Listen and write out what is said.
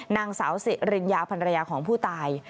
นางสาวสิริญญาภรรยาของผู้ตาย